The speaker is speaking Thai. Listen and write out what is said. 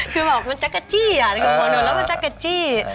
คือเหมือนมันจะกระจี้